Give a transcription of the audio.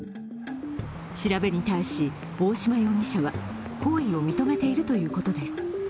調べに対し、大嶋容疑者は行為を認めているということです